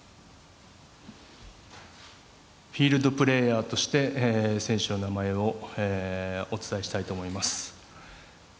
フィールドプレーヤーとして選手の名前をお伝えしたいと思います。